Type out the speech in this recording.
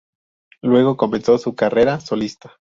Luego comenzó su carrera solista.